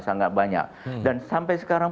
sangat banyak dan sampai sekarang